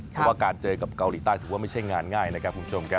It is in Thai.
เพราะว่าการเจอกับเกาหลีใต้ถือว่าไม่ใช่งานง่ายนะครับคุณผู้ชมครับ